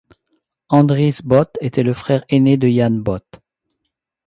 Andries Both était le frère aîné de Jan Both.